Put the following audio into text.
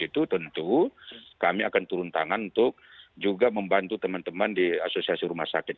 itu tentu kami akan turun tangan untuk juga membantu teman teman di asosiasi rumah sakit